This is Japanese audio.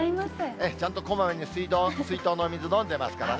ちゃんとこまめに水筒のお水飲んでますからね。